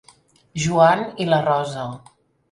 Joan i la Rosa.